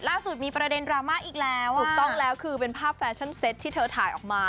ล่าสุดมีประเด็นดราม่าอีกแล้วถูกต้องแล้วคือเป็นภาพแฟชั่นเซ็ตที่เธอถ่ายออกมา